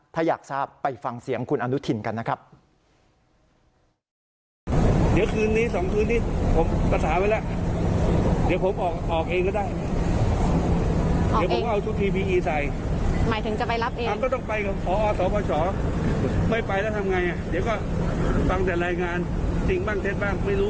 ถ้าอยากทราบไปฟังเสียงคุณอนุทินกันนะครับ